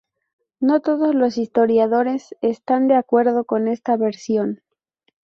No todos los historiadores están de acuerdo con esta versión.